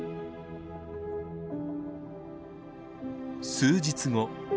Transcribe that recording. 数日後。